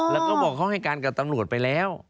แล้วก็บอกเขาให้การกับตำรวจไปแล้ว